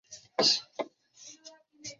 夏卡成为姆特瓦首领麾下的战士。